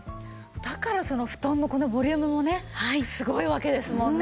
だからその布団のこのボリュームもねすごいわけですもんね。